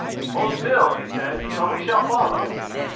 "Hold still," he said, "or we shall follow."